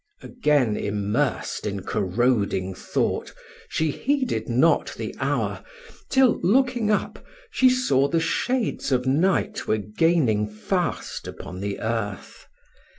Again immersed in corroding thought, she heeded not the hour, till looking up, she saw the shades of night were gaining fast upon the earth.